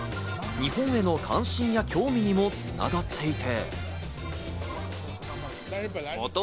日本への関心や興味にも繋がっていて。